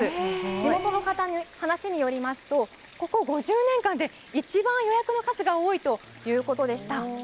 地元の方の話によりますとここ５０年間で一番、予約の数が多いということでした。